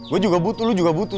gue juga butuh lu juga butuh